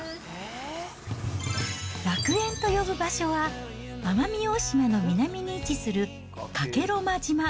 楽園と呼ぶ場所は、奄美大島の南に位置する加計呂麻島。